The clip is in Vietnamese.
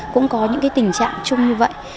cũng có những tình trạng chung như vậy